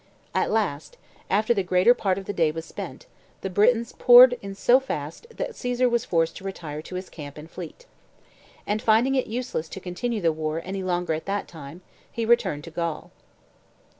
At last, after the greater part of the day was spent, the Britons poured in so fast that Caesar was forced to retire to his camp and fleet. And finding it useless to continue the war any longer at that time, he returned to Gaul.